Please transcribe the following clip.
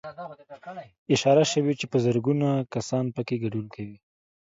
اشاره شوې چې په زرګونه کسان پکې ګډون کوي